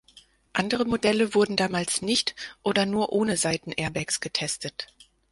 Andere Modelle wurden damals nicht, oder nur ohne Seitenairbags getestet.